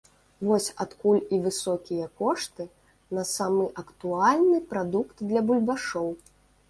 Вось адкуль і высокія кошты на самы актуальны прадукт для бульбашоў.